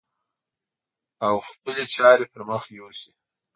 او خپلې چارې پر مخ يوسي.